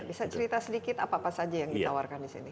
bisa cerita sedikit apa apa saja yang ditawarkan di sini